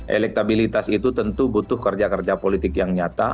elektabilitas itu tentu butuh kerja kerja politik yang nyata